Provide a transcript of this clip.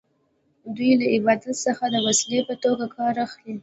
دوی له عبادت څخه د وسیلې په توګه کار اخلي.